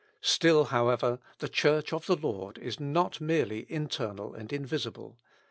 Still, however, the Church of the Lord is not merely internal and invisible.